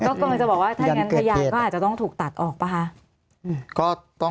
ก็กำลังจะบอกว่าถ้าอย่างนั้นพยานก็อาจจะต้องถูกตัดออกป่ะคะ